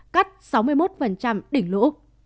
cắt sáu mươi một đỉnh lũ